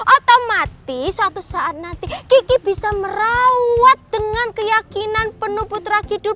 otomatis suatu saat nanti kiki bisa merawat dengan keyakinan penuh putra hidup